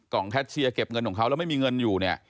กล่องแคชเชียเก็บเงินของเขาแล้วไม่มีเงินอยู่